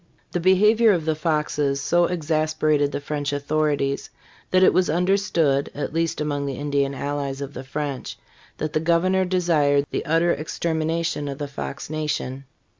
The behavior of the Foxes so exasperated the French authorities that it was understood (at least among the Indian allies of the French) that the governor desired the utter extermination of the Fox nation.